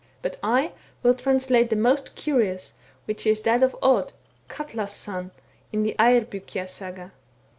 But I will translate the most curious, which is that of Odd, Katla's son, in the Epl^yggja Saga.